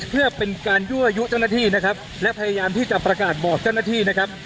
เพื่อเป็นการยั่วยุเจ้าหน้าที่นะครับและพยายามที่จะประกาศบอกเจ้าหน้าที่นะครับ